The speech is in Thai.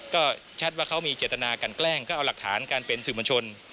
ก็ชัดว่าเขามีเจตนากันแกล้งก็เอาหลักฐานการเป็นสื่อมวลชน